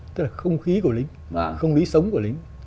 tức là không khí của lính không lý sống của lính